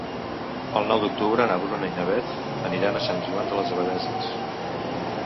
El nou d'octubre na Bruna i na Beth aniran a Sant Joan de les Abadesses.